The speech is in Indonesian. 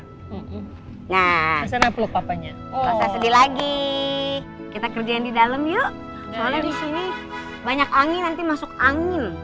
nggak usah sedih lagi kita kerjain di dalam yuk disini banyak angin nanti masuk angin